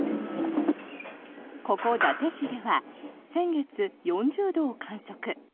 ここ、伊達市では先月、４０度を観測。